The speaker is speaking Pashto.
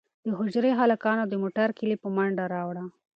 د حجرې هلکانو د موټر کیلي په منډه راوړه.